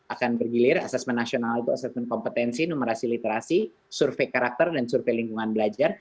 akan bergilir asesmen nasional itu asesmen kompetensi numerasi literasi survei karakter dan survei lingkungan belajar